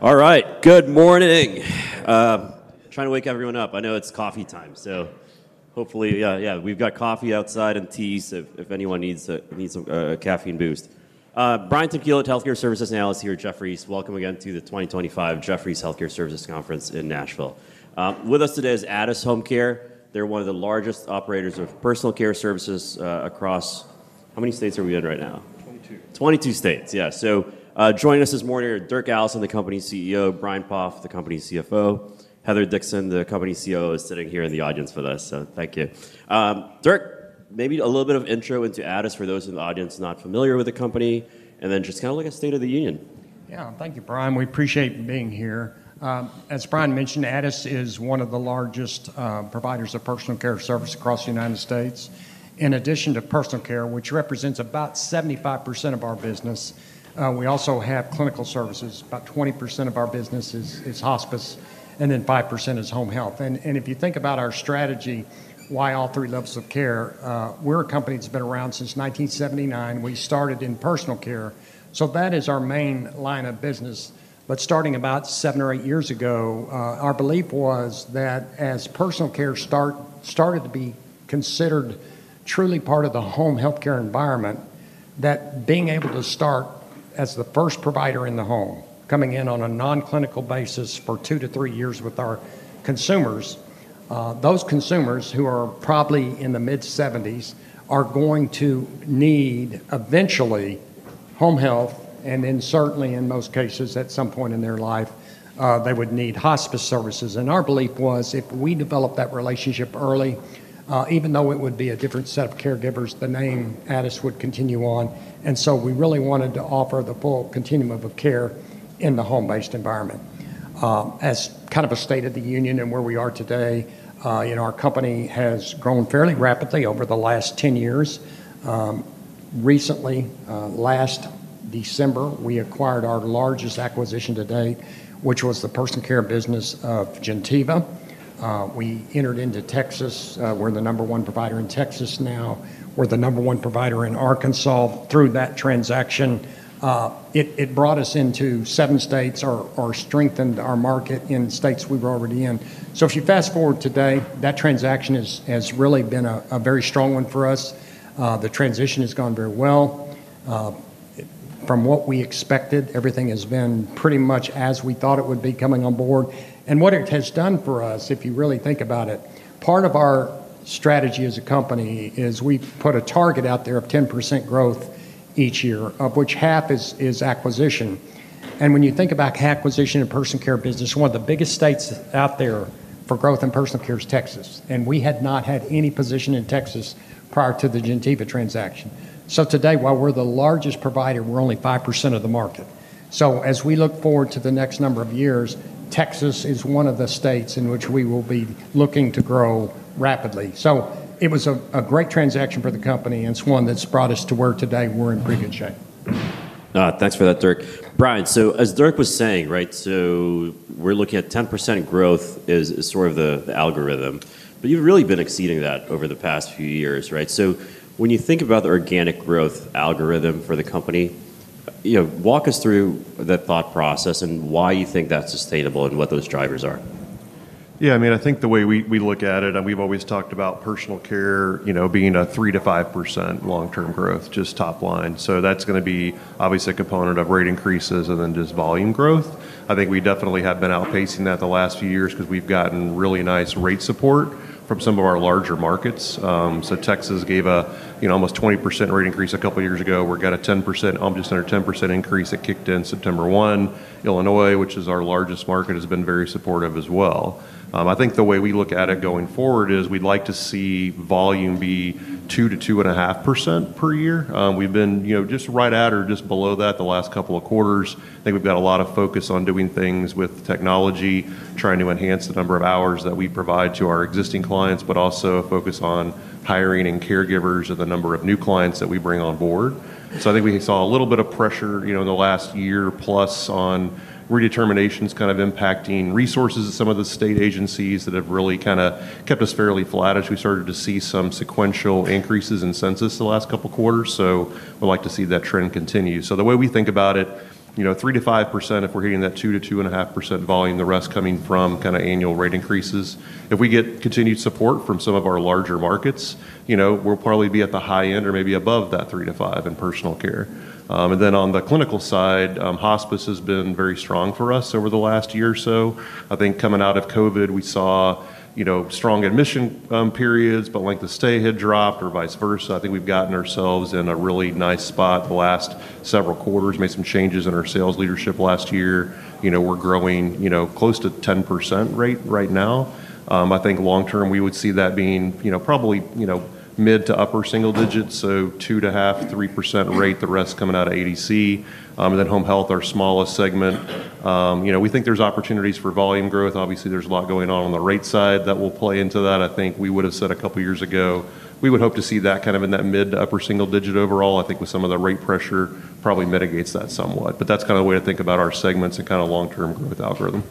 All right, good morning. Trying to wake everyone up. I know it's coffee time, so hopefully, yeah, we've got coffee outside and tea. If anyone needs a caffeine boost, Brian Tanquilut, Healthcare Services Analyst here at Jefferies. Welcome again to the 2025 Jefferies Healthcare Services Conference in Nashville. With us today is Addus HomeCare. They're one of the largest operators of personal care services across, how many states are we in right now? 22. 22 states, yeah. Joining us this morning are Dirk Allison, the company CEO, Brian Poff, the company CFO, Heather Dixon, the company COO, is sitting here in the audience with us. Thank you. Dirk, maybe a little bit of intro into Addus for those in the audience not familiar with the company and then just kind of like a state of the union. Yeah, thank you, Brian. We appreciate being here. As Brian mentioned, Addus is one of the largest providers of personal care services across the United States. In addition to personal care, which represents about 75% of our business, we also have clinical services. About 20% of our business is hospice, and then 5% is home health. If you think about our strategy, why all three levels of care, we're a company that's been around since 1979. We started in personal care, so that is our main line of business. Starting about seven or eight years ago, our belief was that as personal care started to be considered truly part of the home health care environment, being able to start as the first provider in the home, coming in on a non-clinical basis for two to three years with our consumers, those consumers who are probably in their mid 70s are going to need eventually home health. Certainly, in most cases, at some point in their life, they would need hospice services. Our belief was if we develop that relationship early, even though it would be a different set of caregivers, the name Addus would continue on. We really wanted to offer the full continuum of care in the home-based environment. As kind of a state of the union and where we are today, our company has grown fairly rapidly over the last 10 years. Recently, last December, we acquired our largest acquisition to date, which was the personal care business of Gentiva. We entered into Texas. We're the number one provider in Texas now. We're the number one provider in Arkansas through that transaction. It brought us into seven states or strengthened our market in states we were already in. If you fast forward today, that transaction has really been a very strong one for us. The transition has gone very well. From what we expected, everything has been pretty much as we thought it would be coming on board. What it has done for us, if you really think about it, part of our strategy as a company is we've put a target out there of 10% growth each year, of which half is acquisition. When you think about acquisition and personal care business, one of the biggest states out there for growth in personal care is Texas. We had not had any position in Texas prior to the Gentiva transaction. Today, while we're the largest provider, we're only 5% of the market. As we look forward to the next number of years, Texas is one of the states in which we will be looking to grow rapidly. It was a great transaction for the company and it's one that's brought us to where today we're in pretty good shape. Thanks for that, Dirk. Brian, as Dirk was saying, right, we're looking at 10% growth as sort of the algorithm, but you've really been exceeding that over the past few years, right? When you think about the organic growth algorithm for the company, walk us through that thought process and why you think that's sustainable and what those drivers are. Yeah, I mean, I think the way we look at it, and we've always talked about personal care, you know, being a 3%-5% long-term growth, just top line. That's going to be obviously a component of rate increases and then just volume growth. I think we definitely have been outpacing that the last few years because we've gotten really nice rate support from some of our larger markets. Texas gave a, you know, almost 20% rate increase a couple of years ago. We've got a 10%, almost under 10% increase that kicked in September 1. Illinois, which is our largest market, has been very supportive as well. I think the way we look at it going forward is we'd like to see volume be 2%-2.5% per year. We've been, you know, just right at or just below that the last couple of quarters. I think we've got a lot of focus on doing things with technology, trying to enhance the number of hours that we provide to our existing clients, but also focus on hiring and caregivers and the number of new clients that we bring on board. I think we saw a little bit of pressure in the last year plus on redeterminations kind of impacting resources of some of the state agencies that have really kind of kept us fairly flat as we started to see some sequential increases in census the last couple of quarters. We'd like to see that trend continue. The way we think about it, you know, 3%-5%, if we're hitting that 2%-2.5% volume, the rest coming from kind of annual rate increases. If we get continued support from some of our larger markets, we'll probably be at the high end or maybe above that 3%-5% in personal care. On the clinical side, hospice has been very strong for us over the last year or so. I think coming out of COVID, we saw strong admission periods, but length of stay had dropped or vice versa. I think we've gotten ourselves in a really nice spot the last several quarters, made some changes in our sales leadership last year. We're growing, you know, close to 10% rate right now. I think long term we would see that being, you know, probably, you know, mid to upper single digits. So 2%-2.5%, 3% rate, the rest coming out of ADC. Home health, our smallest segment, we think there's opportunities for volume growth. Obviously, there's a lot going on on the rate side that will play into that. I think we would have said a couple of years ago, we would hope to see that kind of in that mid to upper single digit overall. I think with some of the rate pressure, probably mitigates that somewhat, but that's kind of the way I think about our segments and kind of long-term growth algorithm.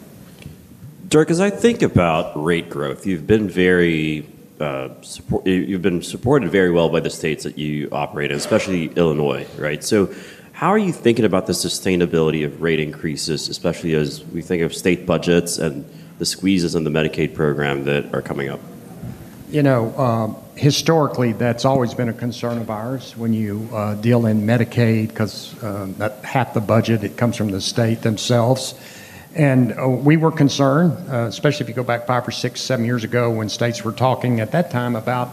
Dirk, as I think about rate growth, you've been supported very well by the states that you operate in, especially Illinois, right? How are you thinking about the sustainability of rate increases, especially as we think of state budgets and the squeezes in the Medicaid program that are coming up? You know, historically, that's always been a concern of ours when you deal in Medicaid because half the budget comes from the state themselves. We were concerned, especially if you go back five or six, seven years ago when states were talking at that time about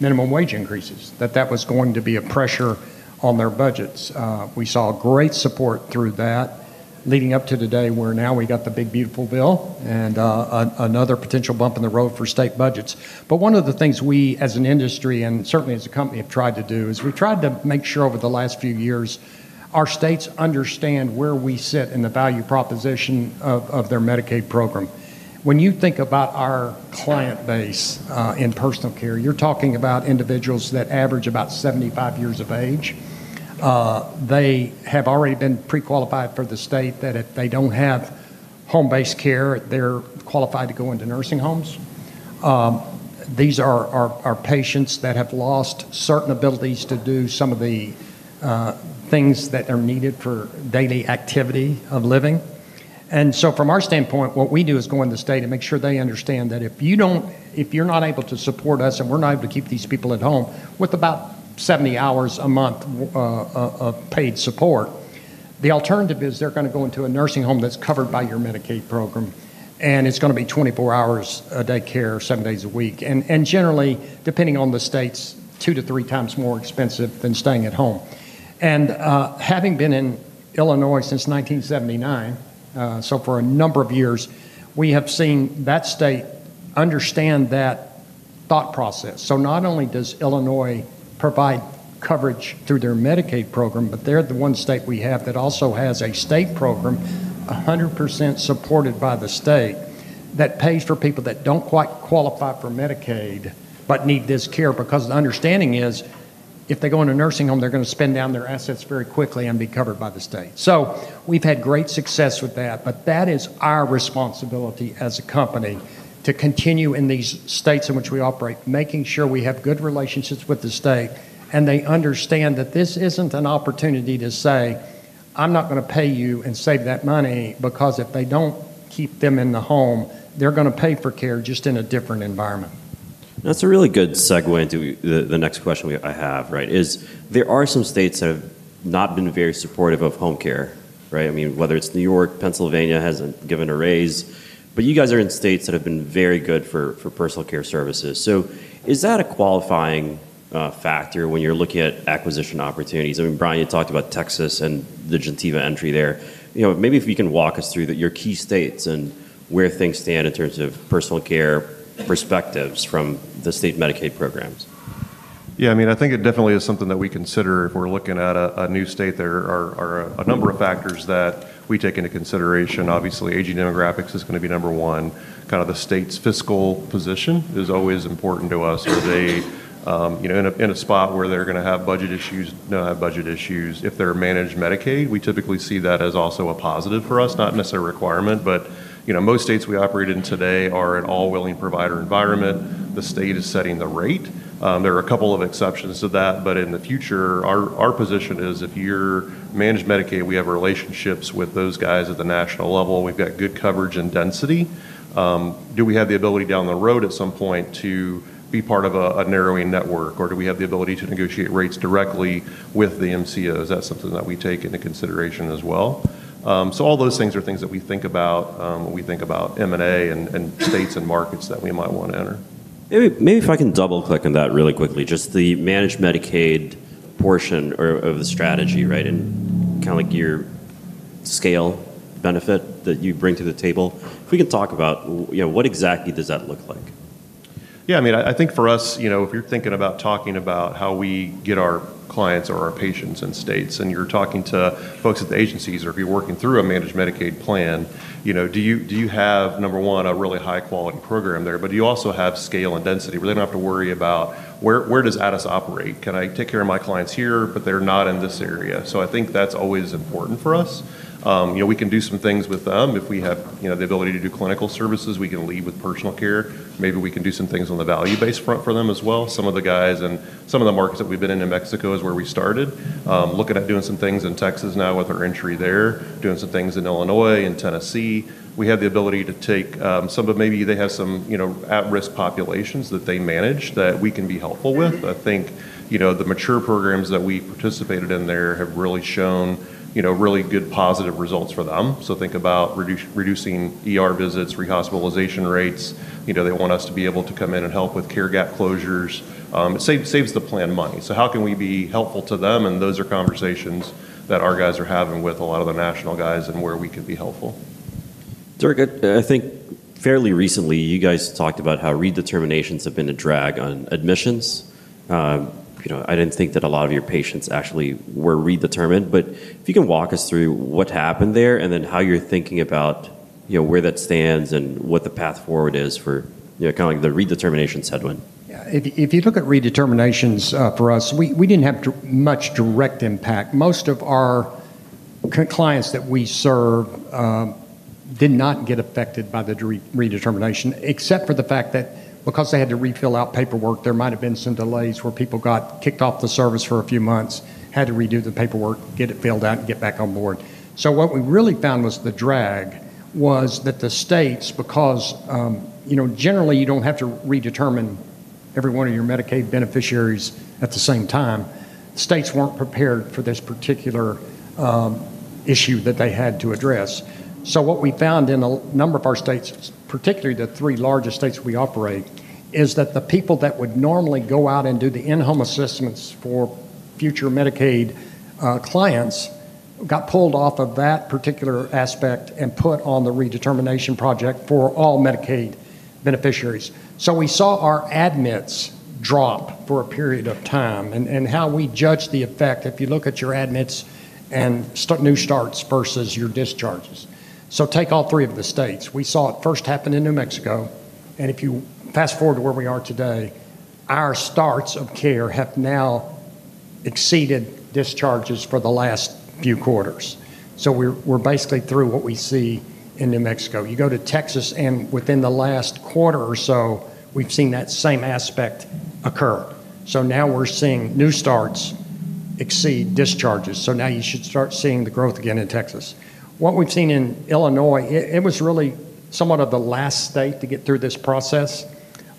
minimum wage increases, that that was going to be a pressure on their budgets. We saw great support through that leading up to today where now we got the big beautiful bill, and another potential bump in the road for state budgets. One of the things we, as an industry and certainly as a company, have tried to do is we tried to make sure over the last few years our states understand where we sit in the value proposition of their Medicaid program. When you think about our client base, in personal care, you're talking about individuals that average about 75 years of age. They have already been pre-qualified for the state that if they don't have home-based care, they're qualified to go into nursing homes. These are our patients that have lost certain abilities to do some of the things that are needed for daily activity of living. From our standpoint, what we do is go into the state and make sure they understand that if you don't, if you're not able to support us and we're not able to keep these people at home with about 70 hours a month of paid support, the alternative is they're going to go into a nursing home that's covered by your Medicaid program and it's going to be 24 hours a day care, seven days a week. Generally, depending on the states, two to three times more expensive than staying at home. Having been in Illinois since 1979, for a number of years, we have seen that state understand that thought process. Not only does Illinois provide coverage through their Medicaid program, but they're the one state we have that also has a state program 100% supported by the state that pays for people that don't quite qualify for Medicaid but need this care because the understanding is if they go into a nursing home, they're going to spend down their assets very quickly and be covered by the state. We've had great success with that, but that is our responsibility as a company to continue in these states in which we operate, making sure we have good relationships with the state and they understand that this isn't an opportunity to say, "I'm not going to pay you and save that money," because if they don't keep them in the home, they're going to pay for care just in a different environment. That's a really good segue into the next question I have, right, is there are some states that have not been very supportive of home care, right? I mean, whether it's New York, Pennsylvania hasn't given a raise, but you guys are in states that have been very good for personal care services. Is that a qualifying factor when you're looking at acquisition opportunities? I mean, Brian, you talked about Texas and the Gentiva entry there. Maybe if you can walk us through your key states and where things stand in terms of personal care perspectives from the state Medicaid programs. Yeah, I mean, I think it definitely is something that we consider if we're looking at a new state. There are a number of factors that we take into consideration. Obviously, aging demographics is going to be number one. The state's fiscal position is always important to us. Are they in a spot where they're going to have budget issues, not have budget issues? If they're a managed Medicaid, we typically see that as also a positive for us, not necessarily a requirement, but most states we operate in today are an all-willing provider environment. The state is setting the rate. There are a couple of exceptions to that, but in the future, our position is if you're managed Medicaid, we have relationships with those guys at the national level. We've got good coverage and density. Do we have the ability down the road at some point to be part of a narrowing network, or do we have the ability to negotiate rates directly with the managed care organizations? That's something that we take into consideration as well. All those things are things that we think about when we think about M&A and states and markets that we might want to enter. Maybe if I can double click on that really quickly, just the managed Medicaid portion of the strategy, right? Kind of like your scale benefit that you bring to the table. If we could talk about, you know, what exactly does that look like? Yeah, I mean, I think for us, if you're thinking about talking about how we get our clients or our patients in states and you're talking to folks at the agencies or if you're working through a managed Medicaid plan, you know, do you have, number one, a really high quality program there, but you also have scale and density where they don't have to worry about where does Addus operate? Can I take care of my clients here, but they're not in this area? I think that's always important for us. We can do some things with them. If we have the ability to do clinical services, we can lead with personal care. Maybe we can do some things on the value-based front for them as well. Some of the guys and some of the markets that we've been in in New Mexico is where we started. Looking at doing some things in Texas now with our entry there, doing some things in Illinois and Tennessee. We have the ability to take some, but maybe they have some at-risk populations that they manage that we can be helpful with. I think the mature programs that we participated in there have really shown really good positive results for them. Think about reducing emergency room visits, rehospitalization rates. They want us to be able to come in and help with care gap closures. It saves the plan money. How can we be helpful to them? Those are conversations that our guys are having with a lot of the national guys and where we could be helpful. Dirk, I think fairly recently you guys talked about how redeterminations have been a drag on admissions. I didn't think that a lot of your patients actually were redetermined, but if you can walk us through what happened there and then how you're thinking about where that stands and what the path forward is for kind of like the redeterminations headwind. Yeah, if you look at redeterminations for us, we didn't have much direct impact. Most of our clients that we serve did not get affected by the redetermination, except for the fact that because they had to refill out paperwork, there might have been some delays where people got kicked off the service for a few months, had to redo the paperwork, get it filled out, and get back on board. What we really found was the drag was that the states, because, you know, generally you don't have to redetermine every one of your Medicaid beneficiaries at the same time, states weren't prepared for this particular issue that they had to address. What we found in a number of our states, particularly the three largest states we operate, is that the people that would normally go out and do the in-home assessments for future Medicaid clients got pulled off of that particular aspect and put on the redetermination project for all Medicaid beneficiaries. We saw our admits drop for a period of time and how we judge the effect. If you look at your admits and new starts versus your discharges. Take all three of the states. We saw it first happen in New Mexico. If you fast forward to where we are today, our starts of care have now exceeded discharges for the last few quarters. We're basically through what we see in New Mexico. You go to Texas and within the last quarter or so, we've seen that same aspect occur. Now we're seeing new starts exceed discharges. Now you should start seeing the growth again in Texas. What we've seen in Illinois, it was really somewhat of the last state to get through this process.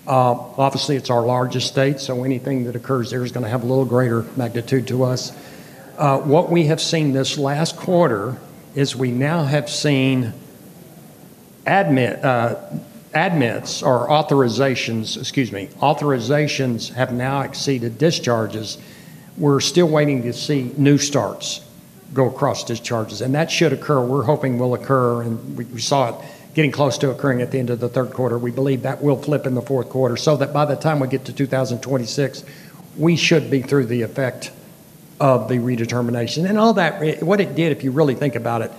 Obviously, it's our largest state, so anything that occurs there is going to have a little greater magnitude to us. What we have seen this last quarter is we now have seen admits or authorizations, excuse me, authorizations have now exceeded discharges. We're still waiting to see new starts go across discharges, and that should occur. We're hoping it will occur, and we saw it getting close to occurring at the end of the third quarter. We believe that will flip in the fourth quarter so that by the time we get to 2026, we should be through the effect of the redetermination and all that. What it did, if you really think about it,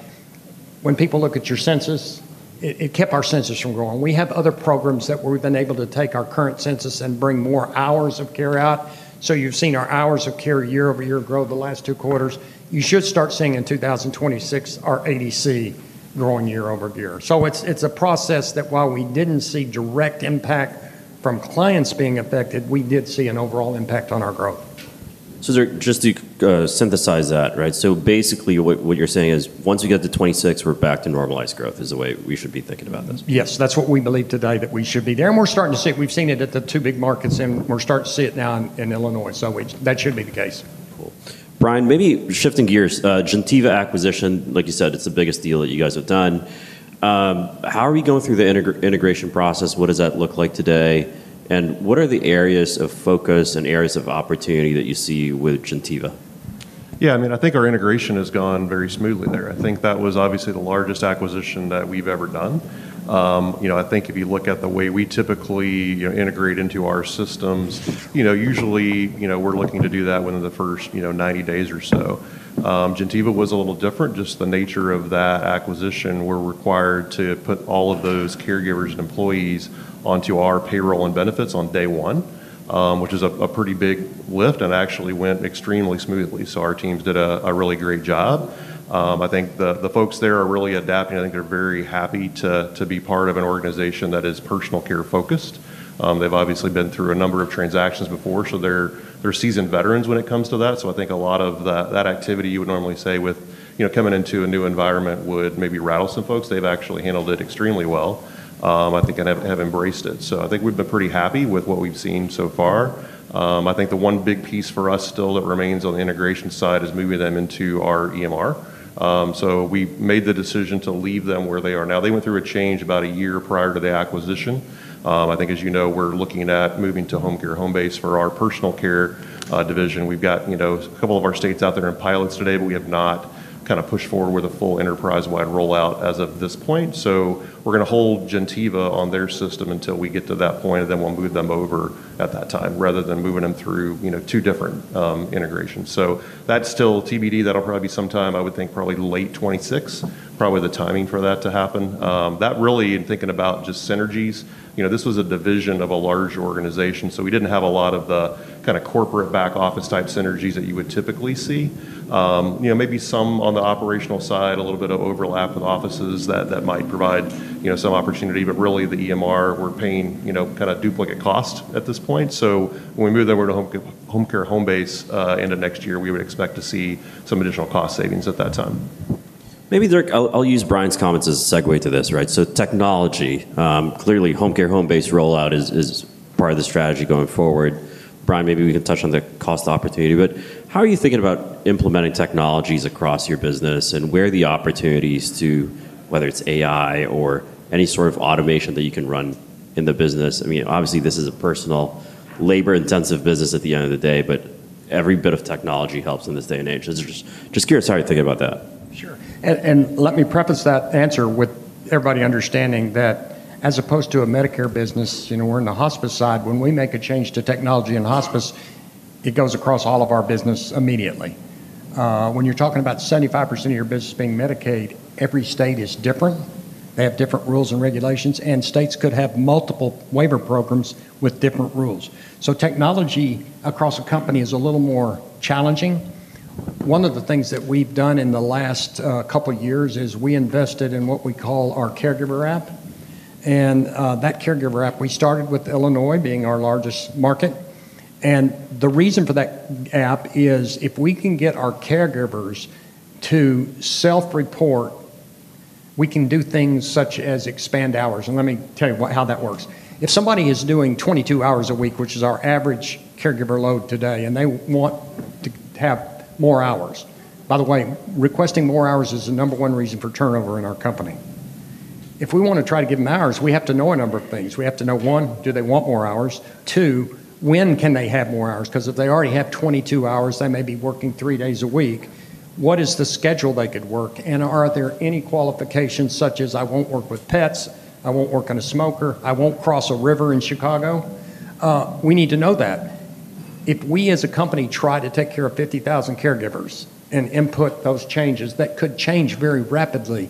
when people look at your census, it kept our census from growing. We have other programs that we've been able to take our current census and bring more hours of care out. You've seen our hours of care year over year grow the last two quarters. You should start seeing in 2026 our ADC growing year over year. It's a process that while we didn't see direct impact from clients being affected, we did see an overall impact on our growth. Just to synthesize that, right? Basically what you're saying is once we get to 2026, we're back to normalized growth is the way we should be thinking about this. Yes, that's what we believe today, that we should be there. We're starting to see it. We've seen it at the two big markets, and we're starting to see it now in Illinois. That should be the case. Cool. Brian, maybe shifting gears, Gentiva acquisition, like you said, it's the biggest deal that you guys have done. How are we going through the integration process? What does that look like today? What are the areas of focus and areas of opportunity that you see with Gentiva? Yeah, I mean, I think our integration has gone very smoothly there. I think that was obviously the largest acquisition that we've ever done. I think if you look at the way we typically integrate into our systems, usually we're looking to do that within the first 90 days or so. Gentiva was a little different, just the nature of that acquisition. We're required to put all of those caregivers and employees onto our payroll and benefits on day one, which is a pretty big lift and actually went extremely smoothly. Our teams did a really great job. I think the folks there are really adapting. I think they're very happy to be part of an organization that is personal care focused. They've obviously been through a number of transactions before, so they're seasoned veterans when it comes to that. A lot of that activity you would normally say with coming into a new environment would maybe rattle some folks. They've actually handled it extremely well and have embraced it. We've been pretty happy with what we've seen so far. I think the one big piece for us still that remains on the integration side is moving them into our EMR. We made the decision to leave them where they are now. They went through a change about a year prior to the acquisition. I think, as you know, we're looking at moving to Homecare Homebase for our personal care division. We've got a couple of our states out there in pilots today, but we have not kind of pushed forward with a full enterprise-wide rollout as of this point. We're going to hold Gentiva on their system until we get to that point. At that time, we'll move them over rather than moving them through two different integrations. That's still TBD. That'll probably be sometime, I would think, probably late 2026, probably the timing for that to happen. Thinking about just synergies, this was a division of a large organization. We didn't have a lot of the kind of corporate back office type synergies that you would typically see. Maybe some on the operational side, a little bit of overlap with offices that might provide some opportunity, but really the EMR, we're paying kind of duplicate cost at this point. When we move them over to Homecare Homebase end of next year, we would expect to see some additional cost savings at that time. Maybe, Dirk, I'll use Brian's comments as a segue to this, right? Technology, clearly Homecare Homebase rollout is part of the strategy going forward. Brian, maybe we can touch on the cost opportunity, but how are you thinking about implementing technologies across your business and where the opportunities to, whether it's AI or any sort of automation that you can run in the business? I mean, obviously, this is a personal labor-intensive business at the end of the day, but every bit of technology helps in this day and age. I'm just curious how you're thinking about that. Sure. Let me preface that answer with everybody understanding that as opposed to a Medicare business, you know, we're in the hospice side. When we make a change to technology in hospice, it goes across all of our business immediately. When you're talking about 75% of your business being Medicaid, every state is different. They have different rules and regulations, and states could have multiple waiver programs with different rules. Technology across a company is a little more challenging. One of the things that we've done in the last couple of years is we invested in what we call our caregiver app. That caregiver app, we started with Illinois being our largest market. The reason for that app is if we can get our caregivers to self-report, we can do things such as expand hours. Let me tell you how that works. If somebody is doing 22 hours a week, which is our average caregiver load today, and they want to have more hours, by the way, requesting more hours is the number one reason for turnover in our company. If we want to try to give them hours, we have to know a number of things. We have to know, one, do they want more hours? Two, when can they have more hours? Because if they already have 22 hours, they may be working three days a week. What is the schedule they could work? Are there any qualifications such as I won't work with pets? I won't work on a smoker. I won't cross a river in Chicago. We need to know that. If we as a company try to take care of 50,000 caregivers and input those changes, that could change very rapidly.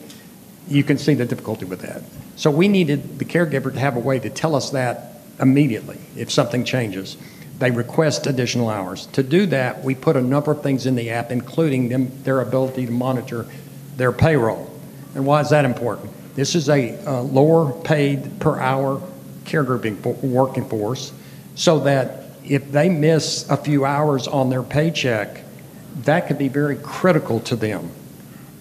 You can see the difficulty with that. We needed the caregiver to have a way to tell us that immediately if something changes. They request additional hours. To do that, we put a number of things in the app, including their ability to monitor their payroll. Why is that important? This is a lower paid per hour caregiver working force. If they miss a few hours on their paycheck, that could be very critical to them.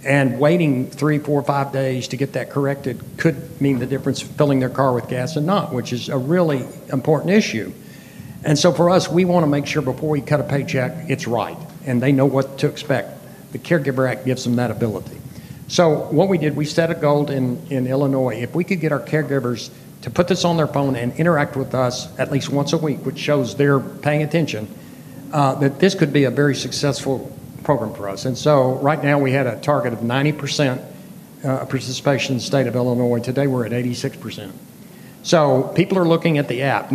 Waiting three, four, five days to get that corrected could mean the difference of filling their car with gas and not, which is a really important issue. For us, we want to make sure before we cut a paycheck, it's right and they know what to expect. The caregiver app gives them that ability. What we did, we set a goal in Illinois. If we could get our caregivers to put this on their phone and interact with us at least once a week, which shows they're paying attention, that this could be a very successful program for us. Right now we had a target of 90% participation in the state of Illinois. Today we're at 86%. People are looking at the app.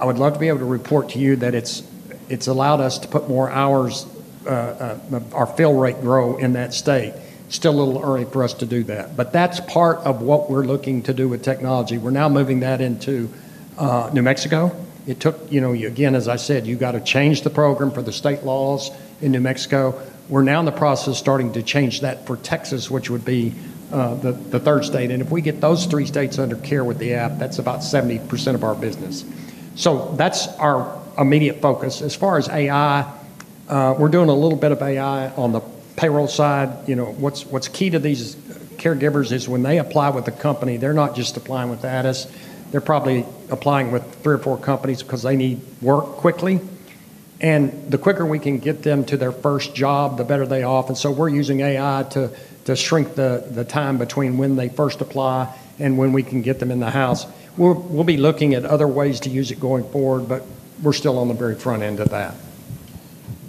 I would love to be able to report to you that it's allowed us to put more hours, our fill rate grow in that state. Still a little early for us to do that. That's part of what we're looking to do with technology. We're now moving that into New Mexico. It took, you know, again, as I said, you've got to change the program for the state laws in New Mexico. We're now in the process of starting to change that for Texas, which would be the third state. If we get those three states under care with the app, that's about 70% of our business. That's our immediate focus. As far as AI, we're doing a little bit of AI on the payroll side. What's key to these caregivers is when they apply with a company, they're not just applying with Addus. They're probably applying with three or four companies because they need work quickly. The quicker we can get them to their first job, the better they offer. We're using AI to shrink the time between when they first apply and when we can get them in the house. We'll be looking at other ways to use it going forward, but we're still on the very front end of that.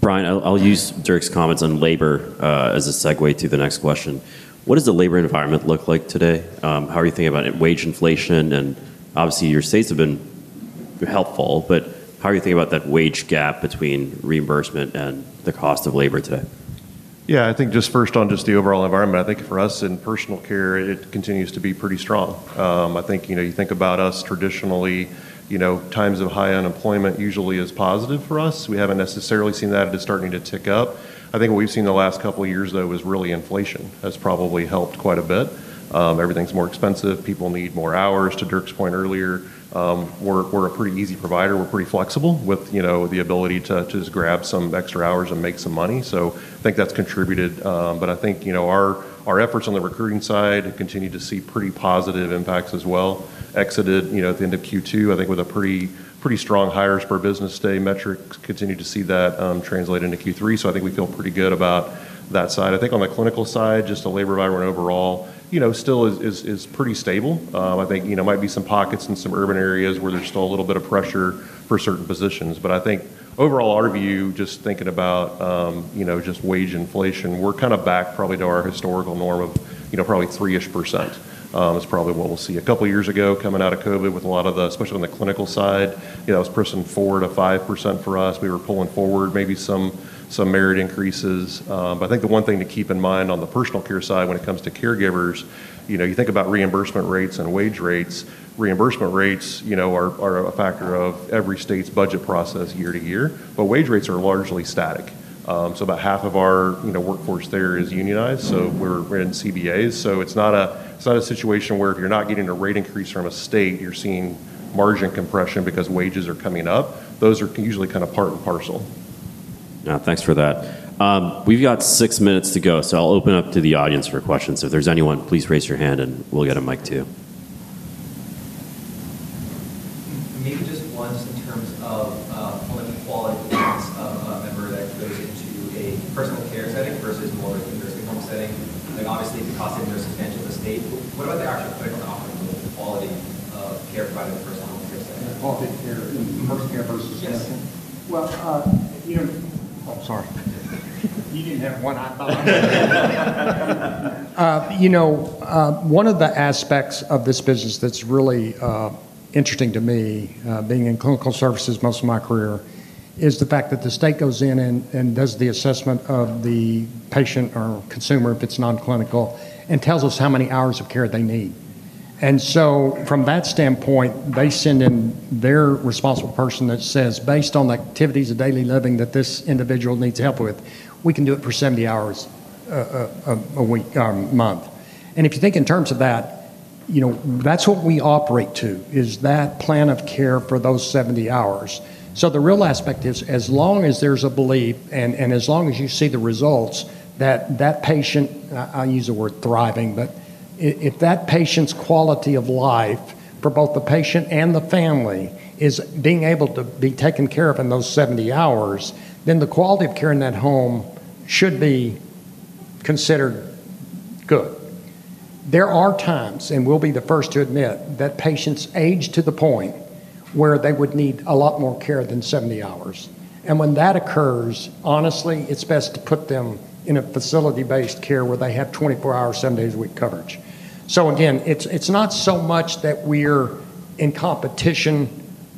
Brian, I'll use Dirk's comments on labor as a segue to the next question. What does the labor environment look like today? How are you thinking about wage inflation? Obviously, your states have been helpful, but how are you thinking about that wage gap between reimbursement and the cost of labor today? Yeah, I think just first on just the overall environment, I think for us in personal care, it continues to be pretty strong. I think, you know, you think about us traditionally, you know, times of high unemployment usually are positive for us. We haven't necessarily seen that. It is starting to tick up. I think what we've seen in the last couple of years, though, is really inflation has probably helped quite a bit. Everything's more expensive. People need more hours. To Dirk's point earlier, we're a pretty easy provider. We're pretty flexible with, you know, the ability to just grab some extra hours and make some money. I think that's contributed. I think, you know, our efforts on the recruiting side continue to see pretty positive impacts as well. Exited, you know, at the end of Q2, I think with a pretty, pretty strong hires per business day metrics, continue to see that translate into Q3. I think we feel pretty good about that side. I think on the clinical side, just the labor environment overall, you know, still is pretty stable. I think, you know, might be some pockets in some urban areas where there's still a little bit of pressure for certain positions. I think overall our view, just thinking about, you know, just wage inflation, we're kind of back probably to our historical norm of, you know, probably 3% ish. That's probably what we'll see. A couple of years ago coming out of COVID with a lot of the, especially on the clinical side, you know, that was pushing 4%-5% for us. We were pulling forward maybe some merit increases. I think the one thing to keep in mind on the personal care side when it comes to caregivers, you know, you think about reimbursement rates and wage rates. Reimbursement rates, you know, are a factor of every state's budget process year to year, but wage rates are largely static. About half of our workforce there is unionized. We're in CBAs. It's not a situation where if you're not getting a rate increase from a state, you're seeing margin compression because wages are coming up. Those are usually kind of part and parcel. Yeah, thanks for that. We've got six minutes to go. I'll open up to the audience for questions. If there's anyone, please raise your hand and we'll get a mic to you. Maybe just once in terms of how much the quality of the cost of a member that's visiting to a personal care center versus more of a condo single home setting, like honestly, the cost in versus bench of a state. What about the actual clinical offering with quality care provided with personal care centers? Yeah, quality care in personal care services. One of the aspects of this business that's really interesting to me, being in clinical services most of my career, is the fact that the state goes in and does the assessment of the patient or consumer if it's non-clinical and tells us how many hours of care they need. From that standpoint, they send in their responsible person that says, based on the activities of daily living that this individual needs help with, we can do it for 70 hours a week, a month. If you think in terms of that, that's what we operate to, is that plan of care for those 70 hours. The real aspect is, as long as there's a belief and as long as you see the results that that patient, I use the word thriving, but if that patient's quality of life for both the patient and the family is being able to be taken care of in those 70 hours, then the quality of care in that home should be considered good. There are times, and we'll be the first to admit, that patients age to the point where they would need a lot more care than 70 hours. When that occurs, honestly, it's best to put them in a facility-based care where they have 24 hours, seven days a week coverage. It's not so much that we're in competition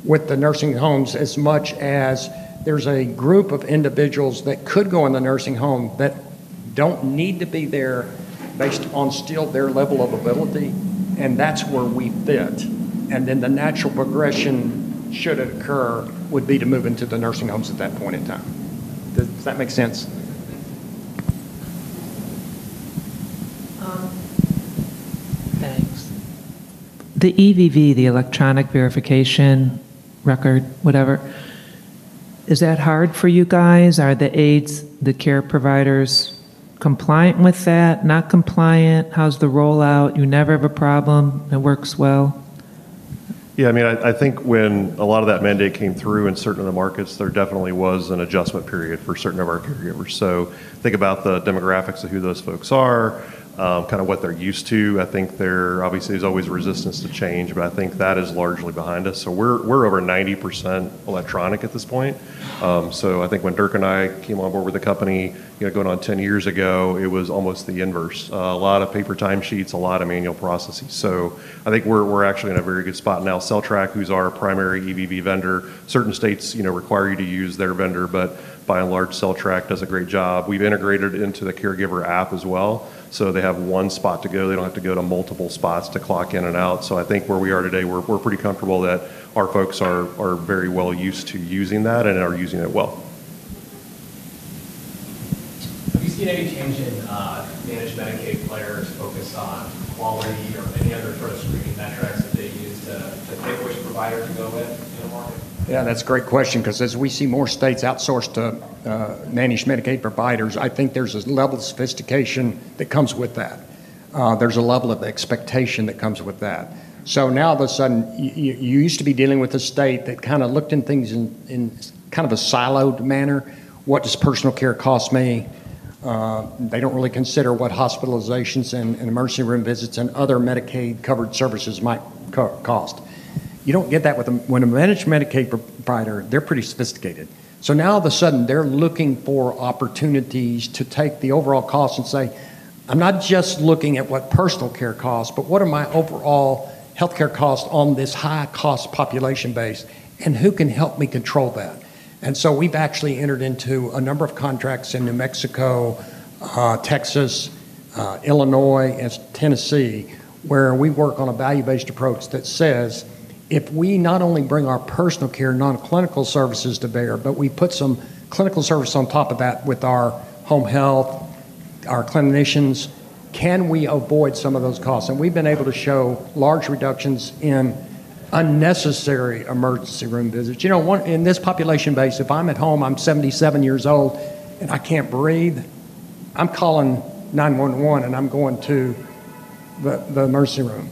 with the nursing homes as much as there's a group of individuals that could go in the nursing home that don't need to be there based on still their level of ability. That's where we fit. The natural progression should occur would be to move into the nursing homes at that point in time. Does that make sense? Thanks. The EVV, the electronic verification record, whatever, is that hard for you guys? Are the aides, the care providers compliant with that? Not compliant? How's the rollout? You never have a problem? It works well? Yeah, I mean, I think when a lot of that mandate came through in certain of the markets, there definitely was an adjustment period for certain of our caregivers. Think about the demographics of who those folks are, kind of what they're used to. I think there obviously is always resistance to change, but I think that is largely behind us. We're over 90% electronic at this point. I think when Dirk and I came on board with the company, you know, going on 10 years ago, it was almost the inverse. A lot of paper timesheets, a lot of manual processes. I think we're actually in a very good spot. Now, CellTrak, who's our primary EVV vendor, certain states require you to use their vendor, but by and large, CellTrak does a great job. We've integrated it into the caregiver app as well, so they have one spot to go. They don't have to go to multiple spots to clock in and out. I think where we are today, we're pretty comfortable that our folks are very well used to using that and are using it well. Have you seen any change in managed care organizations focused on quality or looking at it for the strategic metrics that they use to pick which provider to go with? Yeah, and that's a great question because as we see more states outsource to managed care organizations, I think there's a level of sophistication that comes with that. There's a level of expectation that comes with that. Now all of a sudden, you used to be dealing with a state that kind of looked at things in kind of a siloed manner. What does personal care cost me? They don't really consider what hospitalizations and emergency room visits and other Medicaid covered services might cost. You don't get that with a managed care organization. They're pretty sophisticated. Now all of a sudden, they're looking for opportunities to take the overall cost and say, I'm not just looking at what personal care costs, but what are my overall healthcare costs on this high-cost population base and who can help me control that? We've actually entered into a number of contracts in New Mexico, Texas, Illinois, and Tennessee where we work on a value-based approach that says if we not only bring our personal care, non-clinical services to bear, but we put some clinical service on top of that with our home health, our clinicians, can we avoid some of those costs? We've been able to show large reductions in unnecessary emergency room visits. In this population base, if I'm at home, I'm 77 years old and I can't breathe, I'm calling 911 and I'm going to the emergency room.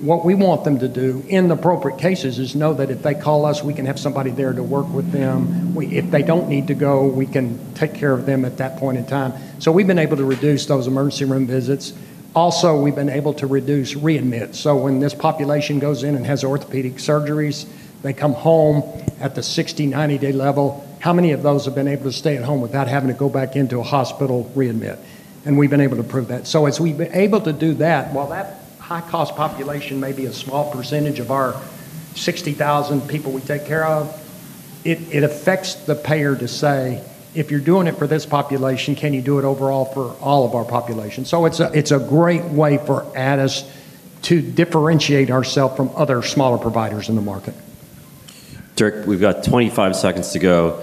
What we want them to do in the appropriate cases is know that if they call us, we can have somebody there to work with them. If they don't need to go, we can take care of them at that point in time. We've been able to reduce those emergency room visits. Also, we've been able to reduce readmits. When this population goes in and has orthopedic surgeries, they come home at the 60, 90-day level. How many of those have been able to stay at home without having to go back into a hospital readmit? We've been able to prove that. As we've been able to do that, while that high-cost population may be a small percentage of our 60,000 people we take care of, it affects the payer to say, if you're doing it for this population, can you do it overall for all of our population? It's a great way for Addus to differentiate ourselves from other smaller providers in the market. Dirk, we've got 25 seconds to go.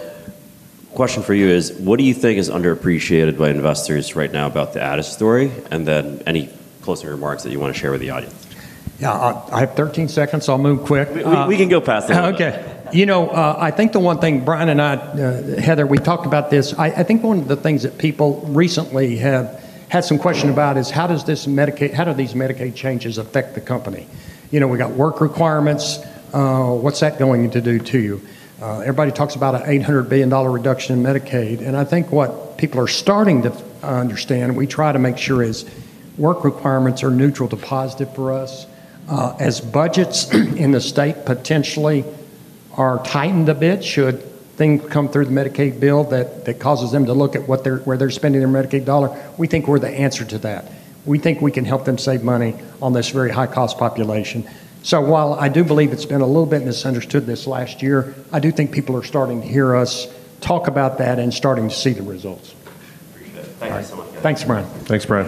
Question for you is, what do you think is underappreciated by investors right now about the Addus story? Any closing remarks that you want to share with the audience? Yeah, I have 13 seconds. I'll move quick. We can go faster. Okay. I think the one thing Brian and I, Heather, we talked about this. I think one of the things that people recently have had some questions about is how does this Medicaid, how do these Medicaid changes affect the company? We got work requirements. What's that going to do to you? Everybody talks about an $800 billion reduction in Medicaid. I think what people are starting to understand, we try to make sure is work requirements are neutral to positive for us. As budgets in the state potentially are tightened a bit, should things come through the Medicaid bill that causes them to look at where they're spending their Medicaid dollar, we think we're the answer to that. We think we can help them save money on this very high-cost population. While I do believe it's been a little bit misunderstood this last year, I do think people are starting to hear us talk about that and starting to see the results. Appreciate it. Thanks so much. Thanks, Brian. Thanks, Brian.